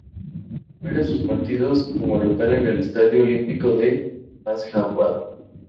Juega sus partidos como local en el Estadio Olímpico de Asjabad.